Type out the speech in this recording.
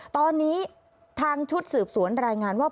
ตอนนี้ทางชุดสืบสวนรายงานว่า